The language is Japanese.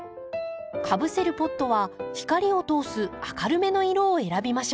かぶせるポットは光を通す明るめの色を選びましょう。